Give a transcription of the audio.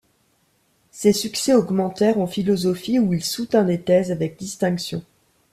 Ses succès augmentèrent en philosophie où il soutint des thèses avec distinction.